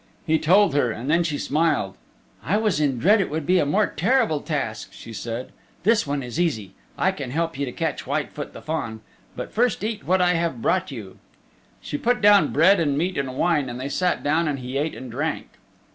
He told her and then she smiled. "I was in dread it would be a more terrible task," she said. "This one is easy. I can help you to catch Whitefoot the Fawn. But first eat what I have brought you." She put down bread and meat and wine, and they sat down and he ate and drank.